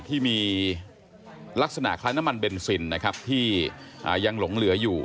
ที่มีลักษณะคล้ายน้ำมันเบนซินนะครับที่ยังหลงเหลืออยู่